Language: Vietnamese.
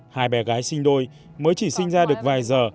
hai bé gái sinh đôi mới chỉ sinh ra được vài giờ